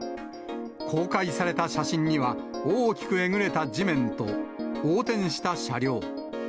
公開された写真には、大きくえぐれた地面と、横転した車両。